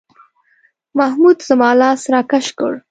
محمود زما لاس راکش کړ.